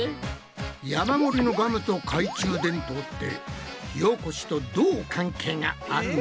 山盛りのガムと懐中電灯って火おこしとどう関係があるんだ？